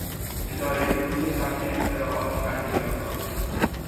ادارهی کل ثبت اختراعات و امتیازات